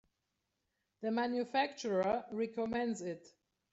The manufacturer recommends it.